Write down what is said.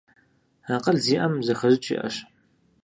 Акъыл зиӀэм, зэхэщӀыкӀ иӀэщ.